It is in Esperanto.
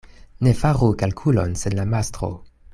Ne faru kalkulon sen la mastro.